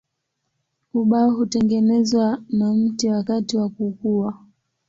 Ubao hutengenezwa na mti wakati wa kukua.